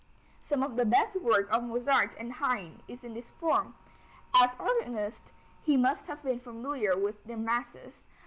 Some of the best work of Mozart and Haydn is in this form; as organist he must have been familiar with their masses.